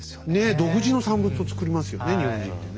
独自の産物をつくりますよね日本人ってね。